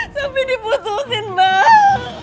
sopi diputusin mbak